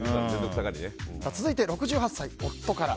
続いて６８歳、夫から。